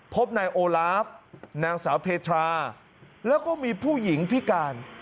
พบนายโอลาฟนางสาวเพทราแล้วก็มีผู้หญิงพิการ